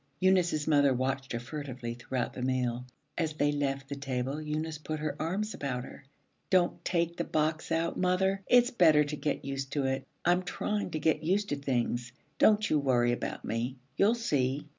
Eunice's mother watched her furtively throughout the meal. As they left the table Eunice put her arms about her. 'Don't take the box out, mother. It's better to get used to it. I'm trying to get used to things. Don't you worry about me. You'll see.'